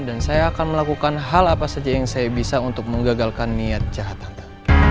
dan saya akan melakukan hal apa saja yang saya bisa untuk menggagalkan niat jahat tante